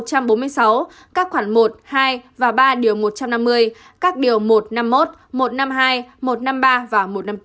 các khoản một hai và ba điều một trăm năm mươi các điều một trăm năm mươi một một trăm năm mươi hai một trăm năm mươi ba và một trăm năm mươi bốn